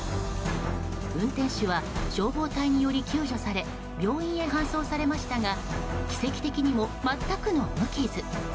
運転手は消防隊により救助され病院へ搬送されましたが奇跡的にも全くの無傷。